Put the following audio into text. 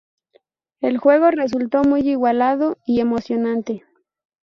El juego resultó muy igualado y emocionante.